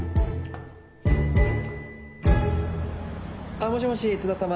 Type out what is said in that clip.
あっもしもし津田様